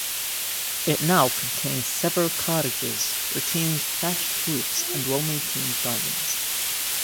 It now contains several cottages retaining thatched roofs and well maintained gardens.